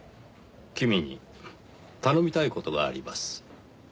君に頼みたい事があります。